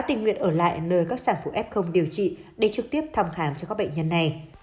trở lại nơi các sản phụ f điều trị để trực tiếp thăm khám cho các bệnh nhân này